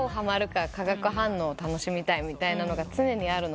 化学反応を楽しみたいみたいなのが常にあるので。